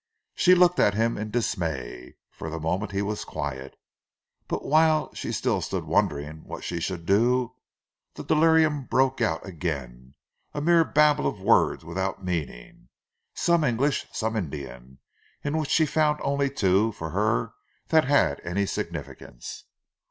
She looked at him in dismay. For the moment he was quiet, but whilst she still stood wondering what she should do, the delirium broke out again, a mere babble of words without meaning, some English, some Indian, in which she found only two that for her had any significance.